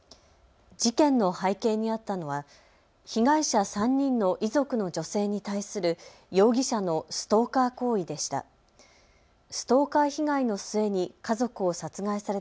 事件の背景にあったのは被害者３人の遺族の女性に対する容疑者のストーカー行為でした。